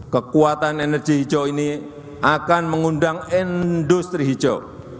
kekuatan energi hijau ini akan mengundang industri hijau